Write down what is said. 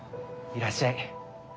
いらっしゃい。